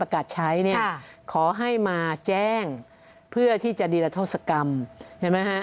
ขอให้มาแจ้งเพื่อที่จะดิรัทธสกรรมเห็นไหมคะ